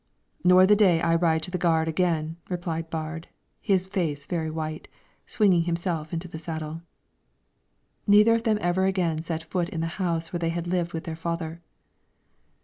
"Nor the day I ride to the gard again," replied Baard, his face very white, swinging himself into the saddle. Neither of them ever again set foot in the house where they had lived with their father.